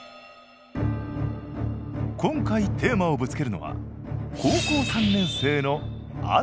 今回テーマをぶつけるのは高校３年生のあつき。